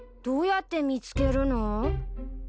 どうやって見つけるの？